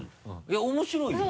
いや面白いよ。